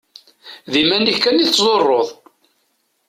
D iman-ik kan i tḍurreḍ.